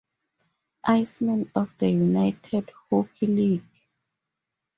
Icemen of the United Hockey League.